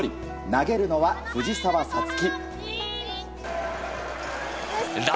投げるのは、藤澤五月。